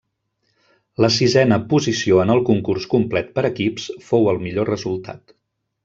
La sisena posició en el concurs complet per equips fou el millor resultat.